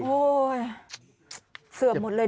โอ้ยเสือบหมดเลยนะ